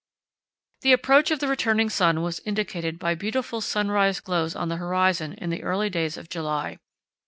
The approach of the returning sun was indicated by beautiful sunrise glows on the horizon in the early days of July.